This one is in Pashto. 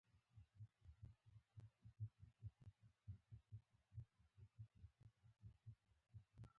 ننګیال پرته له دې چې سوچ وکړي راته وویل ډیموکراسي.